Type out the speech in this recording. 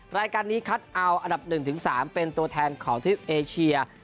รายการนี้คัดเอาอันดับ๑๓เป็นตัวแทนของทริปเอเชีย